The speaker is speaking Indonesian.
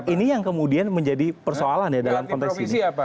ini yang kemudian menjadi persoalan ya dalam konteks ini